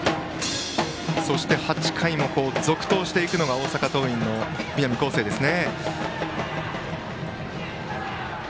そして８回も続投していくのが大阪桐蔭の南恒誠です。